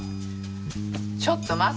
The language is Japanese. ちょっと待って。